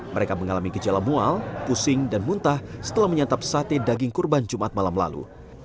mereka mengalami gejala mual pusing dan muntah setelah menyantap sate daging kurban jumat malam lalu